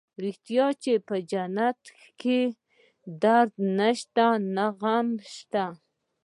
رښتيا چې په جنت کښې درد نسته غم نسته.